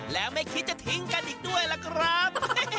และไม่คิดจะทิ้งกันอีกด้วยล่ะครับ